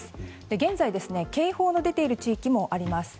現在、警報の出ている地域もあります。